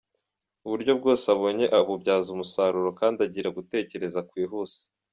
Uburyo bwose abonye abubyaza umusaruro kandi agira gutekereza kwihuse.